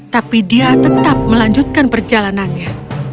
tapi dia tetap melanjutkan perjalanannya